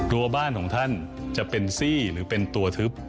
รัวบ้านของท่านจะเป็นซี่หรือเป็นตัวทึบ